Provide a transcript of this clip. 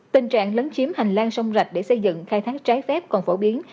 tình trạng lấn chiếm hành lang sông rạch để xây dựng khai thác trái phép còn phổ biến